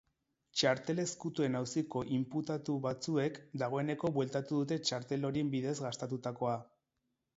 Txartel ezkutuen auziko inputatu batzuek dagoeneko bueltatu dute txartel horien bidez gastatutakoa.